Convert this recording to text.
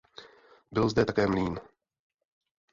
Byl zde také mlýn.